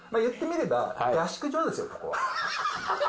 言ってみれば、合宿所ですよ、ここは。